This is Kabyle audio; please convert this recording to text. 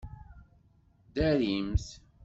Ddarimt!